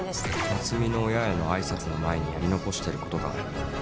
奈津美の親への挨拶の前にやり残してることがある。